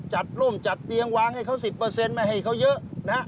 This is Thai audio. ร่มจัดเตียงวางให้เขา๑๐ไม่ให้เขาเยอะนะฮะ